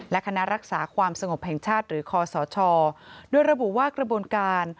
และคณะรักษาความสงบแห่งชาติหรือคอสชโดยระบุว่ากระบวนการ